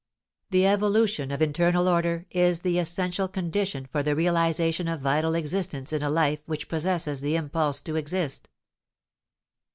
The evolution of internal order is the essential condition for the realization of vital existence in a life which possesses the impulse to exist.